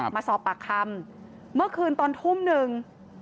มาสอบปากคำเมื่อคืนตอนทุ่มหนึ่ง